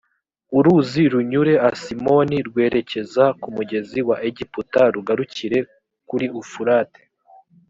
uruzi runyure asimoni rwerekeza ku mugezi wa egiputa rugarukire kuri ufurate